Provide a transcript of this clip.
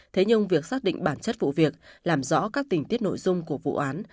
thế nhưng việc xác định bản chất vụ việc làm rõ các tình tiết nội dung của vụ án